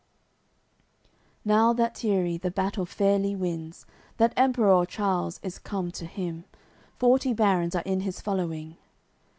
AOI. CCLXXXVII Now that Tierris the battle fairly wins, That Emperour Charles is come to him; Forty barons are in his following.